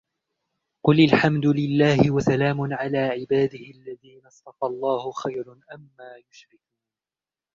قُلِ الْحَمْدُ لِلَّهِ وَسَلَامٌ عَلَى عِبَادِهِ الَّذِينَ اصْطَفَى آللَّهُ خَيْرٌ أَمَّا يُشْرِكُونَ